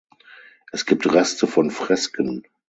Es gibt Reste von Fresken.